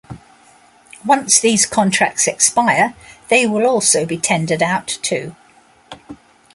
Once these contracts expire, they will also be tendered out too.